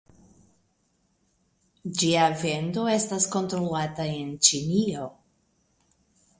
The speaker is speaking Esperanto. Ĝia vendo estas kontrolata en Ĉinio.